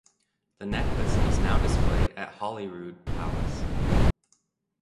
The necklace is now displayed at Holyrood Palace.